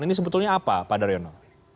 ini sebetulnya apa pak daryono